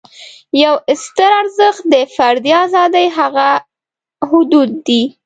یو ستر ارزښت د فردي آزادۍ هغه حدود دي.